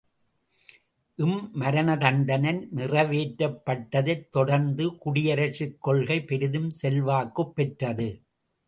இம் மரணதண்டனை நிறைவேற்றப்பட்டதைத் தொடர்ந்து குடியரசுக் கொள்கை பெரிதும் செல்வாக்குப் பெற்றது.